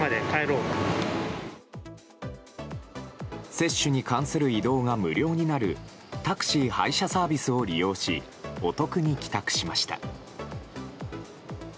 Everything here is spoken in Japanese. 接種に関する移動が無料になるタクシー配車サービスを利用しお得に帰宅しました。